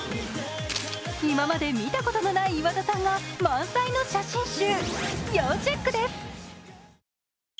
今まで見たことのない岩田さんが満載の写真集要チェックです。